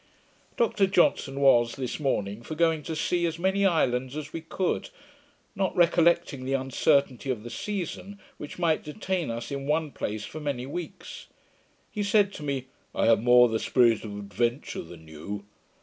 Dr Johnson was this morning for going to see as many islands as we could; not recollecting the uncertainty of the season, which might detain us in one place for many weeks. He said to me, 'I have more the spirit of adventure than you.'